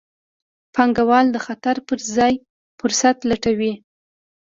پانګوال د خطر پر ځای فرصت لټوي.